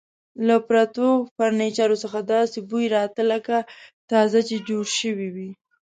له پرتو فرنیچرو څخه داسې بوی راته، لکه تازه چې جوړ شوي وي.